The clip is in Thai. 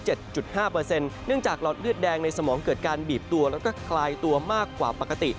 เนื่องจากหลอดเลือดแดงในสมองเกิดการบีบตัวแล้วก็คลายตัวมากกว่าปกติ